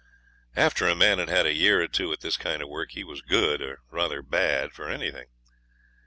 After a man had had a year or two at this kind of work, he was good, or rather bad, for anything.